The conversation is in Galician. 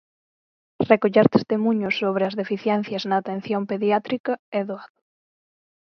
Recoller testemuños sobre as deficiencias na atención pediátrica é doado.